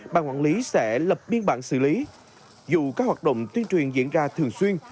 ban quản lý sẽ lập biên bản xử lý dù các hoạt động tuyên truyền diễn ra thường xuyên